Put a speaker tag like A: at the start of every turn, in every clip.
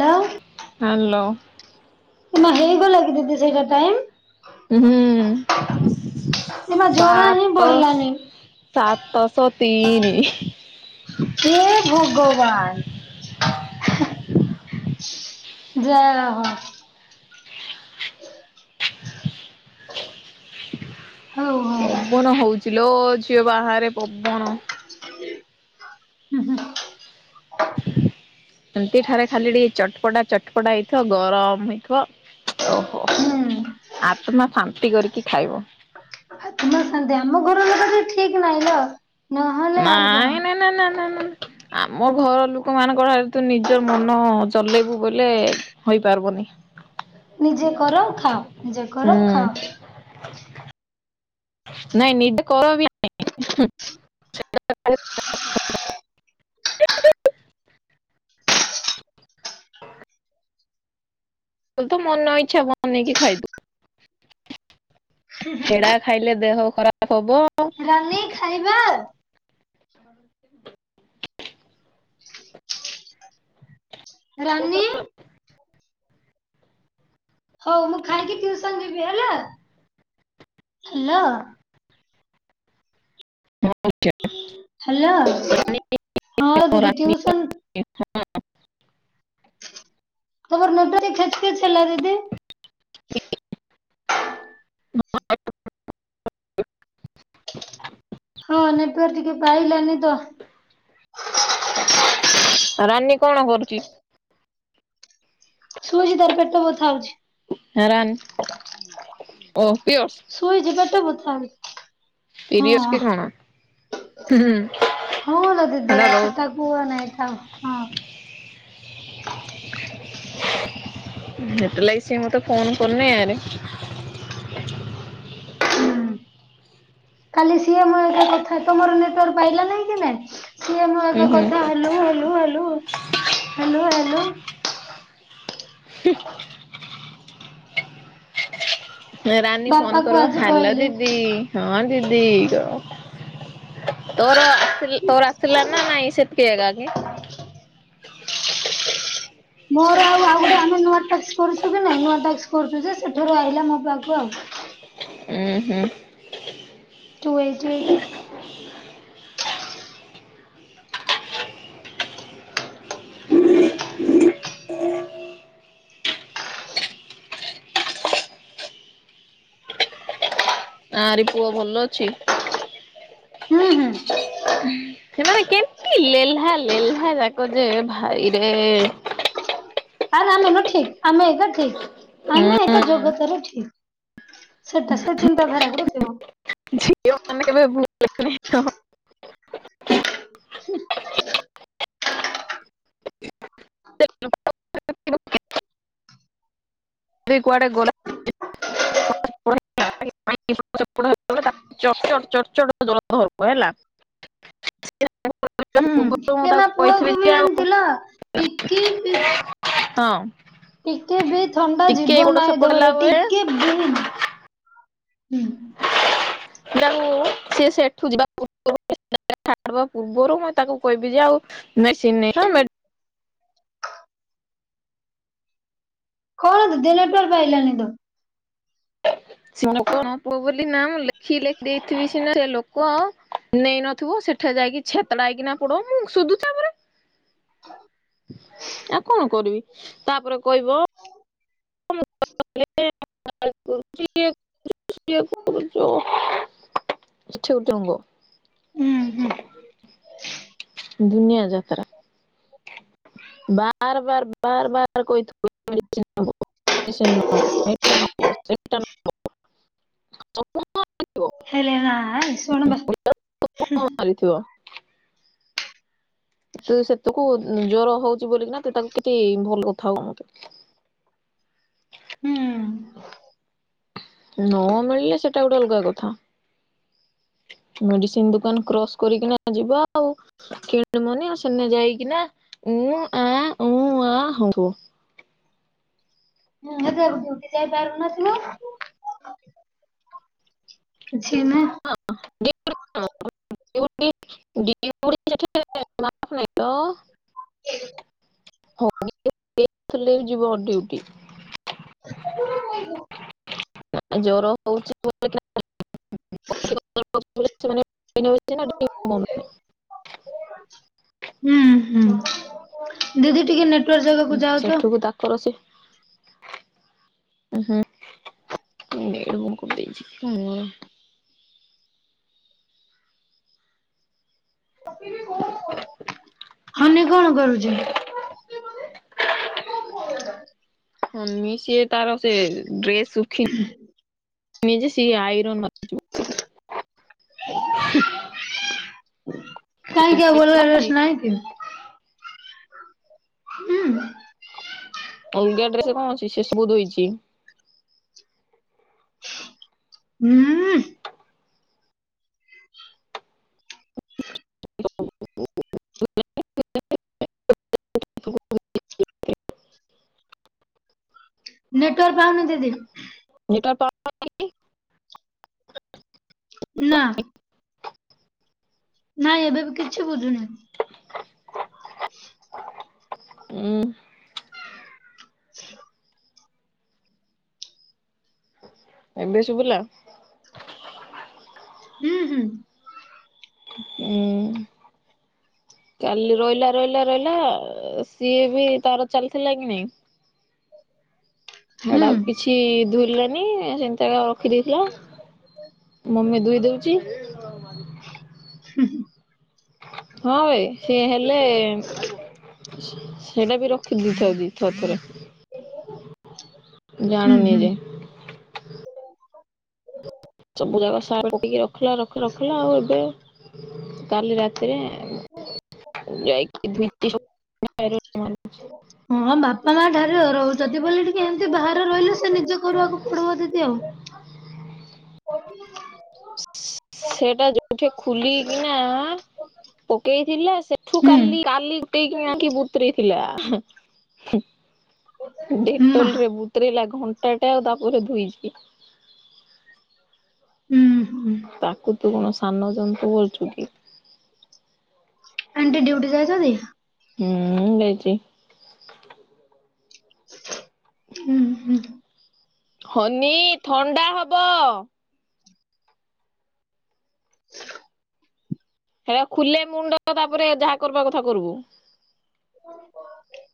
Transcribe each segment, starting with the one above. A: ଲୋ
B: hello.
A: ନା ହେଇଗଲା କି ଦିଦି ସେଇଟା ଟାଇମ୍?
B: ହୁଁ,
A: ଏମା ଜଣା ହିଁ
B: ସାତ
A: ପଡିଲାନି।
B: ସାତଶହ ତିନି।
A: ହେ ଭଗବାନ। ଯାଏ ରହ। ହ ହଉ ହ
B: ପବନ ହଉଛି ଲୋ, ଝିଅ ବାହାରେ ପବନ।
A: ଉଁ, ହୁଁ।
B: ଏମତି ଠାରେ ଖାଲି ଟିକେ ଚଟପଟା ଚଟପଟା ହେଇଥିବ, ଗରମ ହେଇଥିବ। ଓହୋ!
A: ହୁଁ
B: ଆତ୍ମା ଶାନ୍ତି କରିକି ଖାଇବ।
A: ଆତ୍ମା ଶାନ୍ତି ଆମ ଘର ଲୋକ [unintelligible] ଠିକ ନାହିଁ ଲୋ। ନହେଲେ ଆର କଣ
B: ନାଇଁ ନା, ନା, ନା, ନା, ନା। ଆମ ଘର ଲୁକ ମାନଙ୍କର ଏତେ ନିଜ ମନ ଜଲେଇବୁ ବୋଲେ ହୋଇପାରବନି।
A: ନିଜେ କର ଖାଅ, ନିଜେ
B: ହୁଁ
A: କର ଖାଅ।
B: ନାଇଁ ନିଜେ କର ବି ନାଇଁ, [inaudible] ତୋର ତ ମନ ଇଚ୍ଛା ବନେଇକି ଖାଇବୁ। ହେଡା ଖାଇଲେ ଦେହ ଖରାପ ହବ।
A: ନାନୀ ଖାଇବା? [inaudible] ରାନୀ
B: [inaudible]
A: ହଉ ମୁଁ ଖାଇକି ଟିଉସନ ଯିବି ହେଲା। ହ୍ୟାଲୋ
B: ହଁ ଆଜ୍ଞା।
A: ହ୍ୟାଲୋ ହଁ
B: ଓ
A: ଦିଦି
B: ରାନୀ
A: ଟ୍ୟୁସନ [unintelligible]
B: [unintelligible]
A: ହଁ ନେଟୱାର୍କ ଟିକେ ପାଇଲାନି ତ।
B: ଉ ରାନୀ କଣ କରୁଚି?
A: ଶୁଉଛି ତାର ପେଟ ବଥା ହୋଉଚି।
B: ରା ରଣ ଓ ପିଡିଅସ୍
A: ଶୁଇଛି ପେଟ ବଥା ହଁ
B: ପିରିୟଡସ୍ କି କଣ? ହୁଁ
A: ହଁ ଲୋ
B: ହେଲା ରହୁ
A: [unintelligible] ହୁହ ନାଇଥାଉ ହଁ।
B: ହେଟ ଲାଗି ସେ ମତେ ଫୋନ କରନି ଆରେ।
A: ଖାଲି ସିଏ ମୋ ଏକା କଥା ତମର ନେଟୱାର୍କ ପାଇଲା ନାହିଁ କି [unintelligible] ସିଏ ମୋ
B: ଉଁ
A: ଆଗ
B: ହୁଁ
A: କଥା ହେଲୁ ହେଲୁ ହେଲୁ ହେଲୁ ହେଲୁ
B: ରାନୀ
A: ବାପା
B: ଫୋନ
A: କୁ
B: କରିବ
A: ଆଜି
B: ହ୍ୟାଲୋ
A: କହିଲି
B: ଦିଦି ହଁ ଦିଦି କ ତୋର ଆସି ତୋର ଆସିଲ ନା ନାଇଁ ସେତିକି ଏକଗା କି?
A: [inaudible] ମୋର ଆଉ ଆଉ ଗୋଟେ ଆମେ ନୂଆ ଟାସ୍କ କରୁଛୁ କି ନାଇଁ ନୂଆ ଟାସ୍କ କରୁଛୁ ଯେ ସେଠାରୁ ଆଇିଲା ମୋ ପାଖକୁ ଆଉ।
B: ଉୁଁ ହୁଁ
A: ଟୁ ଏଟ୍ ଏଇଟ୍
B: ଆଁ ରି ପୁଅ ଭଲ ଅଛି?
A: ହୁଁ ହୁଁ।
B: ଏମାନେ କେମତି ଲେହ୍ଲା ଲେହ୍ଲା ଯାକ ଯେ ଭାଇରେ।
A: ଆରେ ଆମେ ନ ଠିକ ଆମେ ଏକ ଠିକ ଆମେ
B: ହୁଁ
A: ଏକ ଜଗତର ଠିକ। ସେଟା ସେ ଚିନ୍ତାଧାରା ଗୁଡେ ଥିବ।
B: ଝିଅ ମାନେ କେବେ ହୁ [unintelligible]
A: [inaudible]
B: [inaudible] ତୁଇ କୁଆଡେ ଗଲାଣି [unintelligible] [unintelligible] ଚଡ୍ ଚଡ୍ ହବ ହେଲା।
A: ହୁଁ
B: ପୂର୍ବରୁ ମୁଁ
A: ଏ ମା
B: ତାକୁ କହିଥିଲି
A: ପୁଅକୁ
B: ଯେ
A: ବି
B: ଆଉ
A: ଆଣିଥିଲ ଟିକି ପି
B: [inaudible] ହଁ।
A: ଟିକେ ବି ଥଣ୍ଡା
B: ଟିକେ
A: ଯିବ
B: ଏପଟ
A: ନାହିଁ
B: ସେପଟ ହେଲା
A: ଦେହରେ
B: ବେଳେ
A: ଟିକେ ବି।
B: ଏଟାକୁ ସେ ସେଠୁ ଯିବା ପୁର୍ବ ରୁ ଛା ପୂର୍ବରୁ ମୁଁ ତାକୁ କହିବି ଯେ ଆଉ ମେସିନ [unintelligible]
A: କଣ ଦୁ [unintelligible] ପାଇଲାନି ତ
B: ସି କଣ ପୁଅ ବୋଲି ନାଁ ଲେଖି ଲେଖି ଦେଇଥିବି ସିନା ସେ ଲୋକ ନେଇ ନଥିବ ସେଠା ଯାଇକି ଛେତଡ଼ା ହେଇକିନା ପଡ ମୁଁ ସୁଧୁ [unintelligible] ଆ କଣ କରିବି ତାପରେ କହିବ
A: ହ [inaudible]
B: [unintelligible] [unintelligible]
A: ହୁଁ ହୁଁ।
B: ଦୁନିଆ ଯାତାରା। ବାର ବାର ବାର ବାର କହି [unintelligible] ହଉ ସେ ନବ ସେଇଟା ନବ [unintelligible]
A: ହେଲେ [unintelligible] ଶୁଣ ବା
B: ଥିବ ତ ସେତକୁ ଜ୍ଵର ହଉଚି ବୋଲିକିନା ତ ତାକୁ କେତେ ଭଲ କଥା ହଉ [unintelligible]
A: ହୁଁ।
B: ନ ମିଳିଲେ ସେଟା ଗୋଟେ ଅଲଗା କଥା। ମେଡିସିନ ଦୋକାନ କ୍ରସ୍ କରିକିନା ଯିବା ଆଉ। କିଣ ମନି ଆଉ ସେନେ ଯାଇକି ନା ଉଁ ଆଁ ଉଁ ହଉଁଥିବା।
A: ହୁଁ ଏତ ଡିଉଟି ଯାଇପାରିଲନଥିବ ଝିନା।
B: ହଁ [unintelligible] ଯେ [unintelligible] ନାଇ ତ।
A: ଏ।
B: [unintelligible] ଫୁଲେଇ ଯିବ ଡିଉଟି।
A: କଣ କଇବୁ
B: ଜ୍ୱର ହଉଚି [unintelligible] [unintelligible]
A: ହୁଁ ହୁଁ ଦିଦି ଟିକେ ନ
B: ସେଠୁକୁ ତାକର ସେ ଉ ହୁଁ ଡେଡୁକୁ ମୁଁ କହିଦେଇଛି ଉଁ ଆଁ
A: ହନି କଣ କରୁଚି
B: ହନି ସିଏ ତାର ସେ ଡ୍ରେସ ଶୁଖିନି ସେ ଆଇରନ୍ [unintelligible]
A: କାହିଁକି ଆଉ ଭଲ
B: ଅଛି
A: ଡ୍ରେସ୍ ନାହିଁ କି ହୁଁ।
B: ଅଲଗା ଡ୍ରେସ କଅଁ ଅଛି ସେ ସବୁ ଧୋଇଦି।
A: ହୁଁ ନେଟୱାର୍କ ପାଉନି ଦିଦି
B: [unintelligible]
A: ନା ନାଇଁ ଏବେ ବି କିଛି ବୁଝୁନି ଆଠ।
B: ହୁଁ
A: [unintelligible]
B: ଏବେ ଶୁଭିଲା
A: ହୁଁ ହୁଁ।
B: ହୁଁ। କାଲି ଇଇଲା ରଇଲା ରଇଲା ସିଏ ବି ତାର ଚାଲିଥିଲା କି ନାଇଁ।
A: ହୁଁ
B: ହାଡାକୁ କିଛି ଧୋଇିଲାନି ସେନ୍ତାା ରଖିଦେଇଥିଲା ମମି ଧୋଇ ଦଉଛି।
A: ହୁଁ।
B: ହଁ ଭାଇ ସି ହେଲେ ସେଇଟା ବି ରଖିଦଥାଉ ଦି ଥରେ ଥରେ।
A: ହୁଁ
B: ଜାଣୁନି
A: ହୁଁ।
B: ଯେ। ସବୁ ଜାଗ ସାର ପକକି ରଖିଲା ରଖ ରଖିଲା ଆଉ ଏବେ କାଲି ରାତିରେ।
A: [unintelligible]
B: ଯାଇକି ଭେଟିବ ପ୍ୟାରେଟ୍‌ ମାନକୁ ଯେକ।
A: ହଁ ବାପା ମା ଠାରୁ ରହୁଚନ୍ତି ବୋଲି ଟିକେ ଏମିତି ବାହାରେ ରହିଲେ ସେ ନିଜ କରିବାକୁ ପଡିବ ଦିଦି ଆଉ
B: [inaudible]
A: [inaudible]
B: ସେଟା ଯୋଉଠି ଖୋଲିକିନା ପକେଇଥିଲା ସେ ଠୁ
A: ହୁଁ
B: କାଲି କାଲିଟକି ଆକି ବତରେଥିଲା।
A: ମା
B: ଡେଟଲ୍ ରେ ବୁତରେଲା ଘଣ୍ଟା ଟେ ଆଉ ତାପରେ ଧୁଇଚି।
A: ହୁଁ। ହୁଁ
B: ତାକୁ ତୁ କଣ ସାନ ଜନ୍ତୁ ବୋଲ୍ ଚୁ କି।
A: ଆଣ୍ଟି ଡ୍ୟୁଟି ଯାଇଚନ୍ତି?
B: ହୁଁ ଯାଇଚି।
A: ଉଁ -ହୁଁ।
B: [inaudible] [inaudible]
A: [inaudible]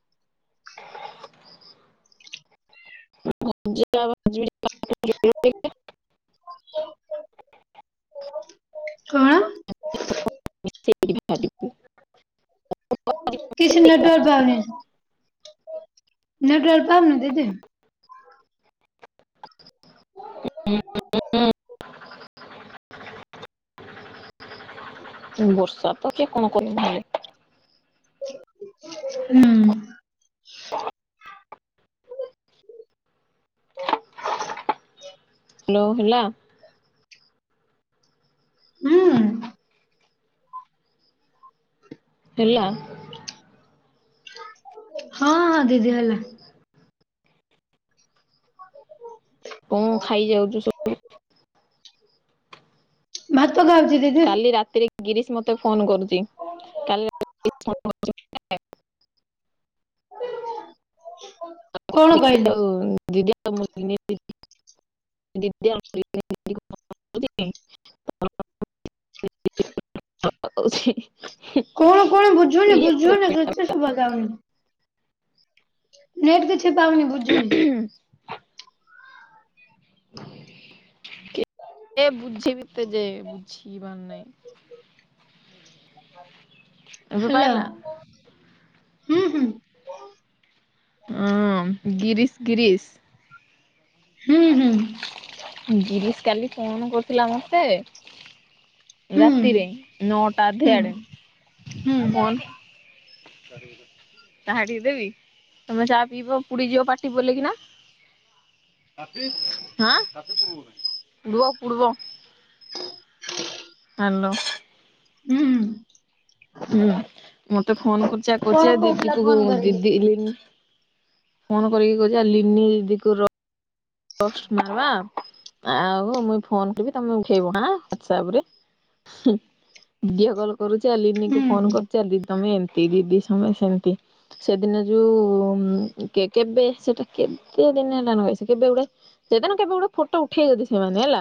B: [inaudible]
A: କଣ?
B: [inaudible]
A: କିଛି ନେଟୱର୍କ ପାଉନି ନେଟୱର୍କ ପାଉନି ଦିଦି।
B: [inaudible] ଉଁ ବର୍ଷା ତ ହଉଚି କଣ କରିବ ହେଲେ।
A: ହୁଁ।
B: ଲୋ ହେଲା।
A: ହୁଁ।
B: ହେଲା।
A: ହଁ -ହଁ ଦିଦି ହେଲା। [inaudible]
B: କଣ୍ ଖାଇଯାଉଚୁ ସ
A: ଭାତ ଖାଉଛି ଦିଦି
B: କାଲି ରାତିରେ ଗିରିଶ୍ ମତେ ଫୋନ କରୁଚି କାଲି [unintelligible]
A: [inaudible] କହିଲି?
B: [inaudible] [inaudible]
A: [inaudible]
B: [unintelligible]
A: କଣ କଣ ବୁଝୁନି
B: ସିଏ
A: ବୁଝୁନି କିଛି ଶୁବାଯାଉନି। ନେଟ୍ କିଛି ପାଉନି ବୁଝୁନି।
B: କେତେ ବୁଝେଇବି ତତେ ଯେ ବୁଝିବାର୍ ନାଇଁ। ଏବେ
A: ହାଲୋ
B: ପାଇଲା?
A: ହୁଁ- ହୁଁ।
B: ହଁ ଗିରିଶ୍ ଗିରିଶ୍।
A: ହୁଁ -ହୁଁ।
B: ଗରିଶ୍ କାଲି ଫୋନ କରିଥିଲା ମତେ।
A: ହୁଁ
B: ରାତିରେ ନଅଟା ଅଧେ
A: ହୁଁ
B: ଆଡେ
A: ହୁଁ
B: ଫୋନ୍ [inaudible] ଚାହା ଟିକେ ଦେବି ତମେ ଚା ପିଇବ ପୁଡି ଯିବ ପାଟି ବୋଲି କିନା। [inaudible] ହାଲୋ।
A: ହୁଁ।
B: ହୁଁ ମତେ ଫୋନ୍ କରୁଚି ଆ-କହୁଚି
A: କଣ
B: ଆ- ଦିଦି
A: କହୁଥିଲା
B: କୁ
A: ଫୋନ କରିକି?
B: ଦିଦି ଲିି ଫୋନ କରିକି କହୁଚି ଆ-ଲିନି ଦି କୁ ର ପଷ୍ଟ୍ ମାରବା ଆଉ ମୁଇଁ ଫୋନ୍ କରିବି ତମେ ଉଠେଇବ ଆଁ ତାପରେ ହୁଁ- ଭିଡିଓ କଲ୍ କରୁଚି
A: ହୁଁ
B: ଲିିନିକୁ ଫୋନ କରୁଚି ଆ-ଦିଦି ତମେ ଏମିତି ତେରୀ ଦି ସମୟ ସେମିତି। ସେଦିନ ଯଉ କେ-କେବେ ସେଟା କେତେ ଦିନ ହେଲାଣି ସେ କେବେ ଗୁଟେ ସେଦିନ କେବେ ଗୋଟେ ଫଟୋ ଉଠେଇଚନ୍ତି ସେମାନେ ହେଲା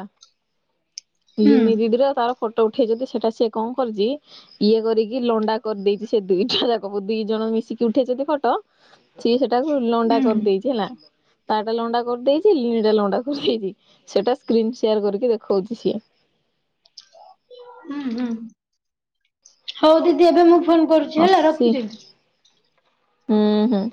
A: ହୁଁ
B: ଲିନି ଦିଦିର ଆଉ ତାର ଫଟୋ ଉଠେଇ ଯଦି ସେଇଟା ସିଏ କଣ କରିଚି ଇଏ କରିକି ଲଣ୍ଡା କରିଦେଇଚି ସେ ଦୁଇଟା ଯାକ କୁ ଦି ଜଣ ମିଶିକି ଉଠେଇଚନ୍ତି ଫଟ ଚି ସେଟାକୁ ଲଣ୍ଡା
A: ହୁଁ
B: କରିଦେଇଛି ହେଲା ତାଟା ଲଣ୍ଡା କରିଦେଇ ସେ ଲିଣି ଟା ଲଣ୍ଡା କରିଦେଇଛି ସେଇଟା ସ୍କ୍ରିନ ସେୟାର କରିକି ଦେଖଉଛି ସିଏ
A: ହୁଁ ହୁଁ ହଉ ଦିଦି ଏବେ ମୁଁ ଫୋନ କରୁଛି ହେଲା
B: ହସି
A: ରଖୁଛି।
B: ହୁଁ ହୁଁ।